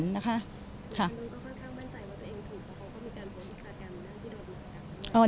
คุณคุณก็ค่อนข้างมั่นใจว่าตัวเองถูกเพราะเขาก็มีการปฏิบัติการณ์ในหน้าที่เราอยู่